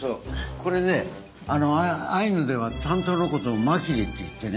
これねアイヌでは短刀のことをマキリって言ってね